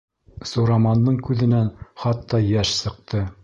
Сурамандың күҙенән хатта йәш сыҡты.